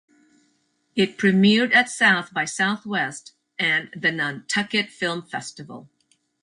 It premiered at South by Southwest and the Nantucket Film Festival.